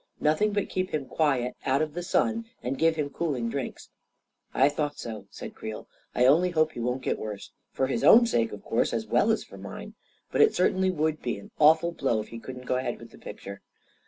"" Nothing but keep him quiet out of the sun, and give him cooling drinks. 91 " I thought so," said Creel. " I only hope he won't get worse. For his own sake, of course, as well as for mine. But it certainly would be an aw ful blow if he couldn't go ahead with the picture.